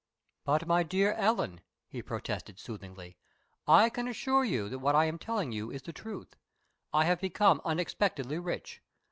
"But, my dear Ellen," he protested, soothingly, "I can assure you that what I am telling you is the truth! I have become unexpectedly rich.